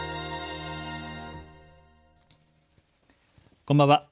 こんばんは。